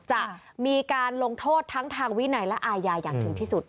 จะมีการลงโทษทั้งทางวินัยและอาญาอย่างถึงที่สุด